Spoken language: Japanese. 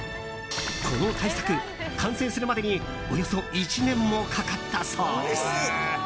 この大作、完成するまでにおよそ１年もかかったそうです。